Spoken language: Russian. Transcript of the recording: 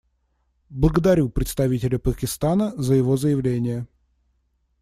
Благодарю представителя Пакистана за его заявление.